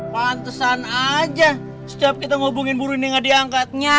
pantesan aja sejab kita ngobongin buru ini gak diangkatnya